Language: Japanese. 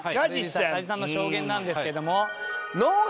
加地さんの証言なんですけども。